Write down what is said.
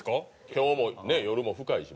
今日もね夜も深いしもう。